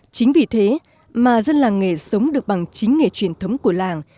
chính vì thế mà dân làng nghề sống được bằng chính nghề truyền thống của làng